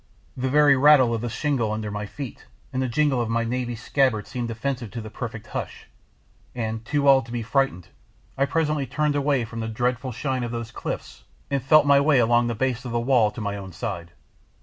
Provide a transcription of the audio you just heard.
The very rattle of the shingle under my feet and the jingle of my navy scabbard seemed offensive in the perfect hush, and, too awed to be frightened, I presently turned away from the dreadful shine of those cliffs and felt my way along the base of the wall on my own side.